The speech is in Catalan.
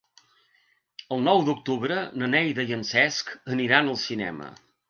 El nou d'octubre na Neida i en Cesc aniran al cinema.